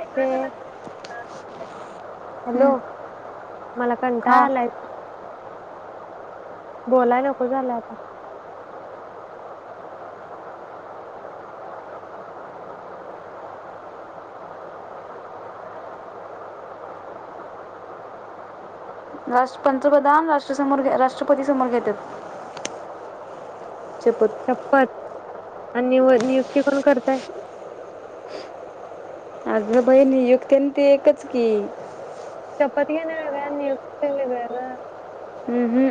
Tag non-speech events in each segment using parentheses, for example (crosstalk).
ह हं, हॅलो मला हा कंटाळा आलाय. बोलाय नको झालं आता रा पंतप्रधान रासमोर राष्ट्रपती समोर घेतात शपथ शपत आणि नि नियुक्ती कोण करताय आग बाई नियुक्तन ते एकच की पतीयन वेगळ आणि नियुक्ती वेगळ ग! हं,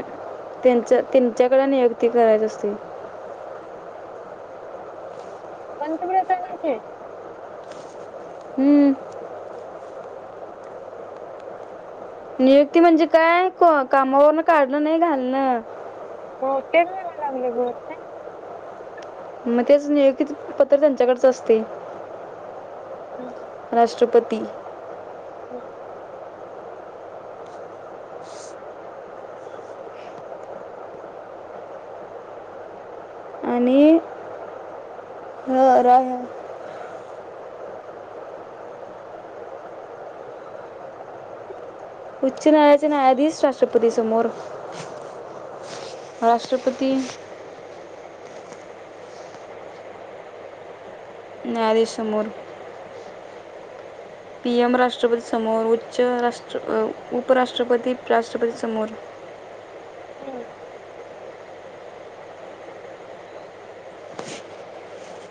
त्यांच्या त्यांच्याकडे नियुक्ती करायची असते. पंतप्रधानाचे? हं. नियुक्ती म्हणजे काय कामावरून काढणं नाही घालणं मठे लागले म मग तेच नियुक्ती च पत्र त्यांच्याकडच असतय हम् राष्ट्रपती हो हो राहा उच्च न्यायालयाचे न्यायाधीश राष्ट्रपतीच्या समोर राष्ट्रपती न्यायाधीश समोर पीएम राष्ट्रपतीसमोर उच्च उपराष्ट्रपती राष्ट्रपतीसमोर हम्!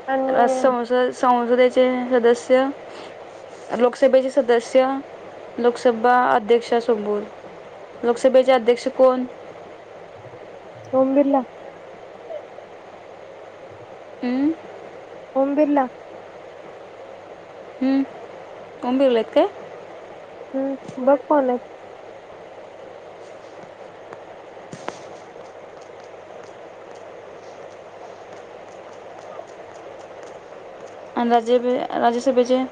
आणि संसद ते सदस्य लोकसभेचे सदस्य लोकसभा अध्यक्षासोबोर लोकसभेचे अध्यक्ष कोण सोहम बिर्ला. ओम बिर्ला कबीलाते हम्म बघ कोण आहेत. आणि राज्यभ राज्यसभाचे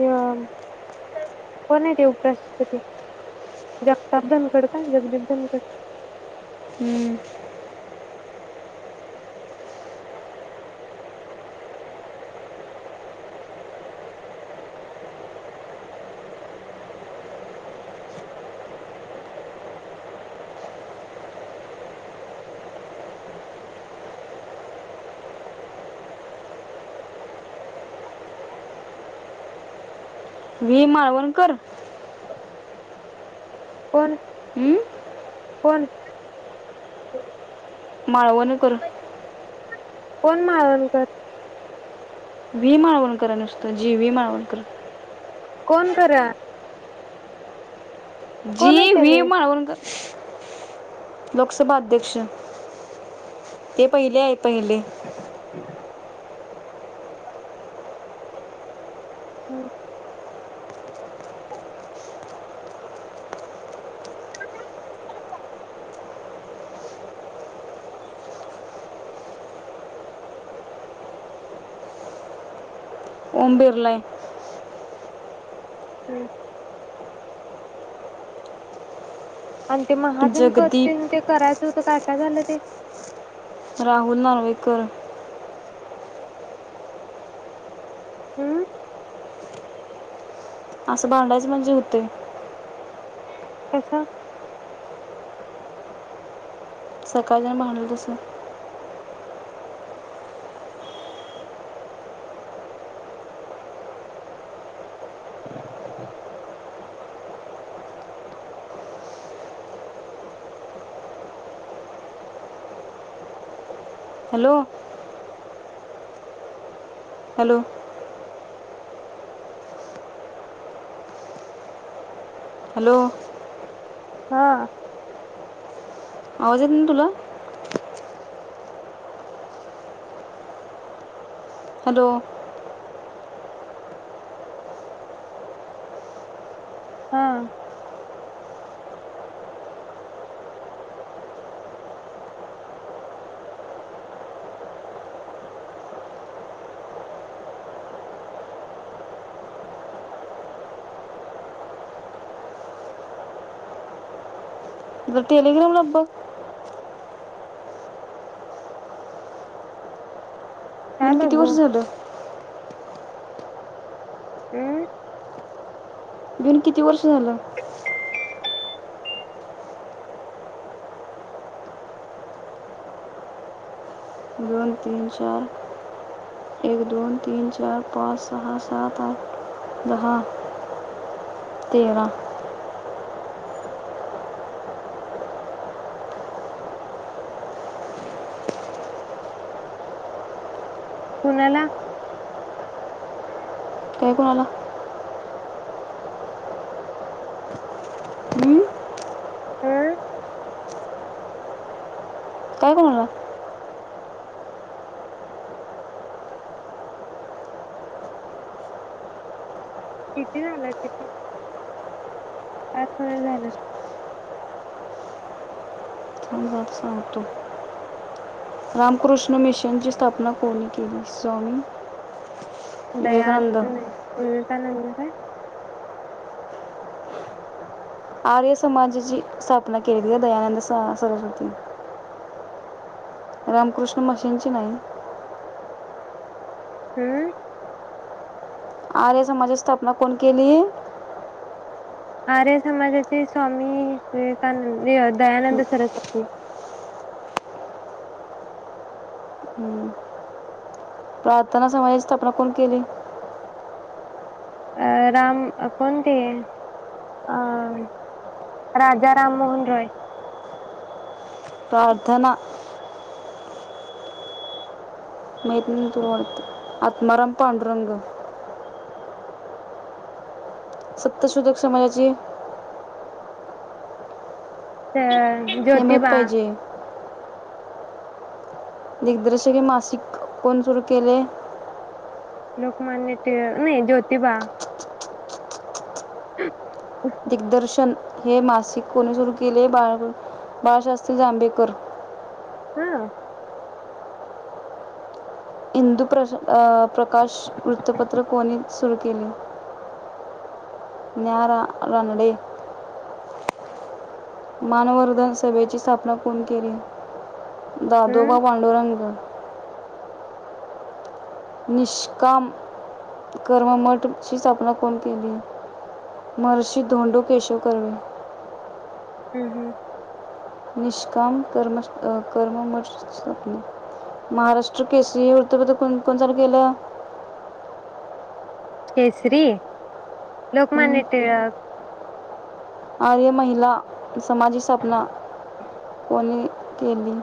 पण कोण आहे ते उपराष्ट्रपती? जगताप धनकडता, जगदीप धनकड हम्म, व्ही माळवणकर. पन हम्म, पन माळवण कर. कोण माळवणकर? व्ही माळवणकर नुसतं जी व्ही माळवणकर. कोण खर? जी व्ही त्याने माळवणकर. लोकसभा अध्यक्ष ते पहिले आहेत. पहिले हम हो ओमबिरलाय हम् आणि ते महाजन जगदीप पत्तीन ते करायचं होतं काय? काय झालं ते? राहुल नार्वेकर. हम असं भांडायच म्हणजे होतयं. कसं? सकाळच्याण भांडलं तसं. हॅलो हॅलो हॅलो हा आवाज येत नाही तुला? हॅलो हा मग टेलीग्रामला बघ. काय येऊन किती वर्ष बघू झालं? हम्म येऊन किती वर्ष झालं? दोन, तीन, चार, एक, दोन, तीन, चार, पाच, सहा, सात, आठ, दहा, तेरा. कोणाला? काय कोणाला? हं? हा काय कोणाला किती झालं किती? पाच वेळा झालं. थांब सांगतो. रामकृष्ण मिशनची स्थापना कोणी केली? स्वामी दयान विवेकानंद नाही. कालंदर काय? आर्य समाजाची स्थापना केलेली आहे दयानंद सा सरस्वती. रामकृष्ण मशींची नाही. हम्म आर्य समाजाची स्थापना कोण केली? आर्य समाजाचे स्वामी विवेकानं--दयानंद सरस्वती. हम्म. प्रार्थना समाजाची स्थापना कोण केली? अ राम कोणते? अ राजाराम मोहन रॉय. प्रार्थना माहित नाही (unintelligible) वाटत आ मरम पांडूरंग सत्तशोधक समाजाची ते हे माहित पाहिजे. दिग्दर्शक हे मासिक कोण सुरू केलंय? लोकमान्य टि नाही ज्योतिबा (inaudible) दिग्दर्शन हे मासिक कोणी सुरू केले बाळ बाळशास्त्री जांबेकर. हा. इंदू प्र अ प्रकाश वृत्तपत्र कोणी सुरू केली? ज्ञा रा रानडे. मानवर्धन सभेची स्थापना कोण केली? हम्म दादोबा वांडुरंग. निष्काम कर्ममठची स्थापना कोण केली? महर्षी धोंडू केशव कर्वे. हम्म, हम्म. निष्काम कर्म अ कर्ममठ स्थापना, महाराष्ट्र केसरी वृतप्रत्र कोण कोण चालू केलं? केसरी? हम्म. लोकमान्य टिळक. आर्य महिला समाजची स्थापना कोणी केली?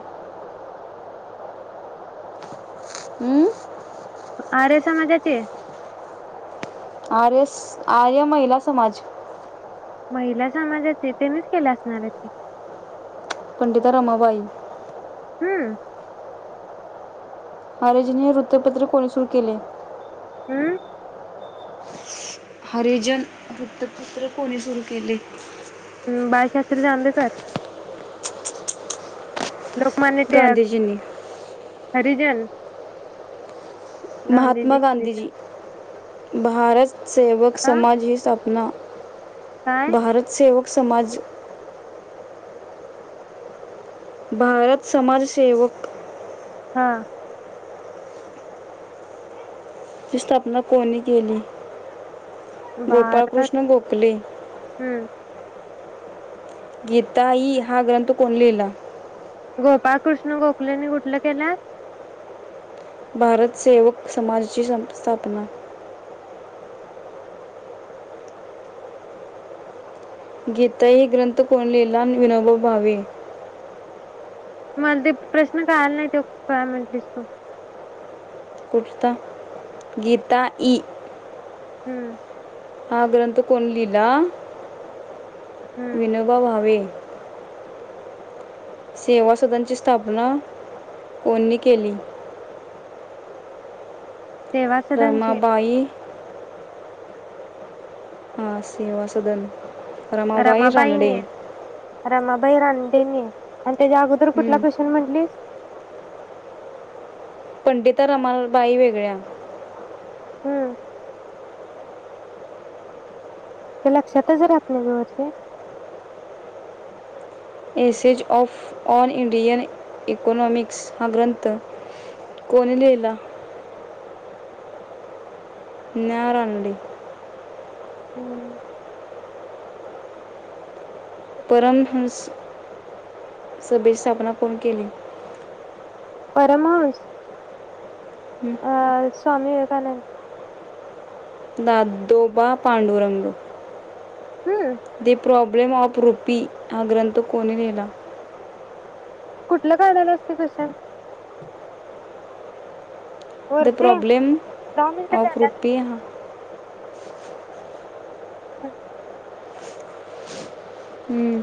अं? आर्य समाज्याची? आर्य स आर्य महिला समाज. महिला समाजाचे तेनीच केले असणार आहेत की. पंडित रमाबाई. हम्म. आरेजीनी वृत्तपत्र कोणी सुरू केले? अं? हरिजन वृत्तपत्र कोणी सुरू केले? बाळशास्त्री जांभेकर. लोकमान्य टिळक. गांधीजींनी हरिजन. गांधीजी महात्मा हरिजन गांधीजी. भारतसेेवक हा समाजी स्था ना काय भारत सेवक समाज भारत समाजसेवक हा. ची स्थापना कोणी केली? भारत गोपाळकृष्ण गोखले. हम्म गीताई हा ग्रंथ कोणी लिहिला? गोपाळकृष्ण गोखलेनी कुठलं केलं? भारतसेेवक समाजाची स्था स्थापना गीताई ग्रंथ कोण लिहला? विनोबा भावे मला ते प्रश्न कळाला नाही त्यो, काय म्हंटलीस तू? कुठता? गीताई. हम्म हा ग्रंथ कोण लिहिला? हम्म विनोबा भावे. सेवासदनची स्थापना कोणी केली? सेवा सदनचे रमाबाई हा सेवासदन रमाबाई रानडे रमाबाईने रमाबाई रानडेनी? आणि तेज्या अगोदर कुठला हम्म. क्वेशन म्हणलीस? पंडिता रमाबाई वेगळ्या हम्म. ते लक्षातच राहात नाही ग म्हणजे. Essays of all Indian economics हा ग्रंथ कोणी लिहिला? न्या रानडे हम्म परमहंस सभेची स्थापना कोण केली? परमहंस? हम्म. अ स्वामी विवेकानंद. दादोबा पांडुरंग. हम्म दी प्रॉब ब्रेम ऑफ रुपी हा ग्रंथ कोणी लिहिला? कुटल काडाल्यास तू क्वेशन? द वरचे प्रॉब्लेम दहा मिनिटं ऑफ झाल्यात रुपी हा (unintelligible) हम्म.